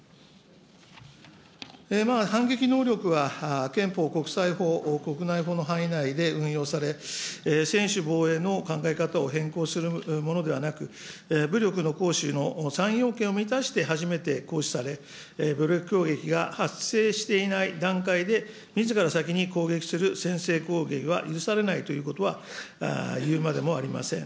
反撃能力は、憲法、国際法、国内法の範囲内で運用され、専守防衛の考え方を変更するものではなく、武力の行使の３要件を満たして初めて行使され、武力攻撃が発生していない段階でみずから先に攻撃する先制攻撃は許されないということは、言うまでもありません。